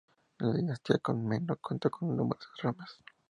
La dinastía Comneno contó con numerosas ramas.